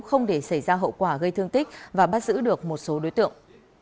không để xảy ra hậu quả gây thương tích và bắt giữ được một số đối tượng